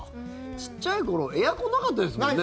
ちっちゃい頃エアコンなかったですもんね。